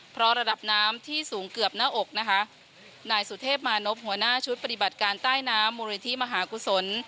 เพราะระดับน้ำที่สูงเกือบหน้าอกนะคะนายสุเทพมานพหัวหน้าชุดปฏิบัติการใต้น้ำมูลนิธิมหากุศล